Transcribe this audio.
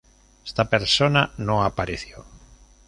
Esta persona no apareció.